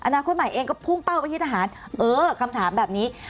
อนาคตใหม่เองก็พุ่งเป้าไปที่ทหารเออคำถามแบบนี้